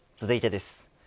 続いてです。